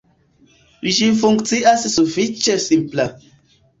Ĝi funkcias sufiĉe simpla.